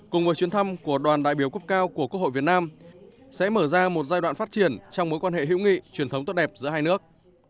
cùng với chuyến thăm của đoàn đại biểu cấp cao của quốc hội việt nam sẽ mở ra một giai đoạn phát triển trong mối quan hệ hữu nghị truyền thống tốt đẹp giữa hai nước